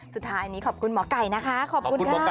สุดท้ายนี้ขอบคุณหมอไก่นะคะขอบคุณค่ะ